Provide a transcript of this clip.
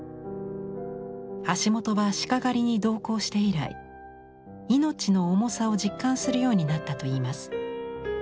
橋本は鹿狩りに同行して以来命の重さを実感するようになったといいます。